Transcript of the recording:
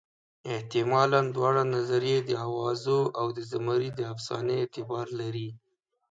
حتمالاً دواړه نظریې د اوازو او د زمري د افسانې اعتبار لري.